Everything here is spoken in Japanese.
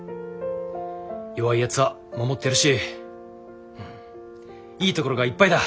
弱いやつは守ってやるしいいところがいっぱいだ。